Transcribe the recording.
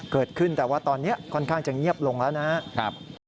เกิดขึ้นแต่ว่าตอนนี้ค่อนข้างจะเงียบลงแล้วนะครับ